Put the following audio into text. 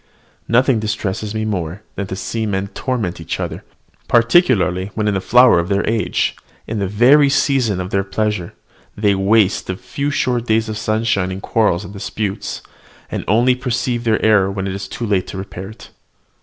Nothing distresses me more than to see men torment each other; particularly when in the flower of their age, in the very season of pleasure, they waste their few short days of sunshine in quarrels and disputes, and only perceive their error when it is too late to repair it.